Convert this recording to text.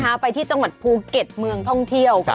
พาไปที่จังหวัดภูเก็ตเมืองท่องเที่ยว